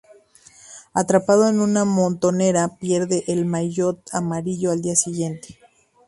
Atrapado en una montonera, pierde el maillot amarillo al día siguiente.